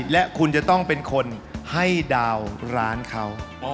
และคุณจะต้องเป็นคนให้ดาวร้านเขา